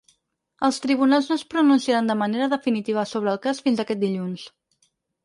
Els tribunals no es pronunciaran de manera definitiva sobre el cas fins aquest dilluns.